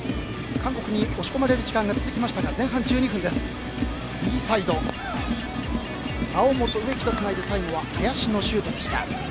韓国に押し込まれる時間が続きましたが前半１２分、右サイド猶本、植木とつないで最後は林のシュートでした。